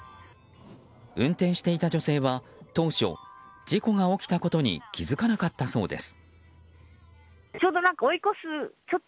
運転していた女性は、当初事故が起きたことに気づかなかったそうです。